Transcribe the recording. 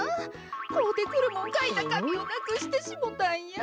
こうてくるもんかいたかみをなくしてしもたんや。